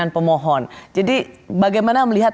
pemohon jadi bagaimana melihat